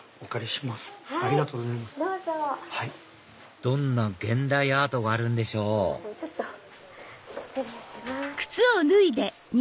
どんな現代アートがあるんでしょう失礼します。